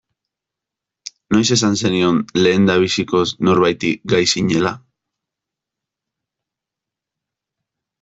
Noiz esan zenion lehendabizikoz norbaiti gay zinela.